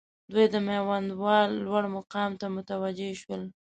دوی د میوندوال لوړ مقام ته متوجه شول.